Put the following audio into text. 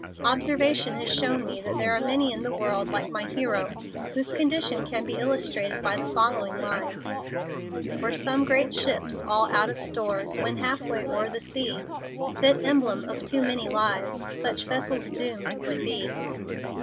Observation has shown me that there are many in the world, like my hero, whose condition can be illustrated by the following lines: Were some great ship all out of stores, When half way o'er the sea, Fit emblem of too many lives, Such vessel doomed would be.